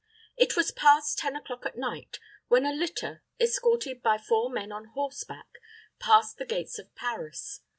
It was past ten o'clock at night, when a litter, escorted by four men on horseback, passed the gates of Paris.